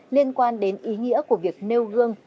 liên quan đến ý nghĩa của việc nêu gương